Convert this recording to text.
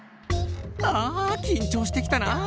あ緊張してきたなあ。